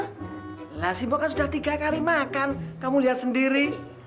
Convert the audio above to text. lah dengan si mbok kan sudah tiga kali makan kamu lihat sendiri